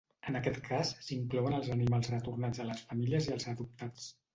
En aquest cas s’inclouen els animals retornats a les famílies i els adoptats.